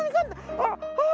あっああ！